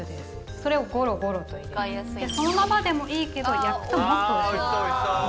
それをゴロゴロと入れてそのままでもいいけど焼くともっとおいしい。